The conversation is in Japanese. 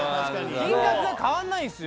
金額が変わんないんすよ